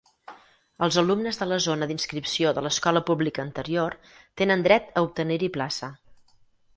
Els alumnes de la zona d'inscripció de l'escola pública anterior tenen dret a obtenir-hi plaça.